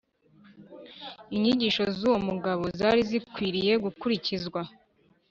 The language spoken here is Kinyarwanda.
inyigisho z’uwo mugabo zari zikwiriye gukurikizwa